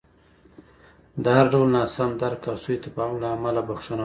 د هر ډول ناسم درک او سوء تفاهم له امله بښنه غواړم.